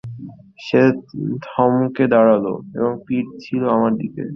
সে থমকে দাঁড়ালো, তার পিঠ ছিল আমার দিকে।